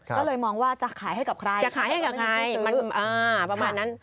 ก็เลยมองว่าจะขายให้กับใครจะขายให้กับใครประมาณนั้น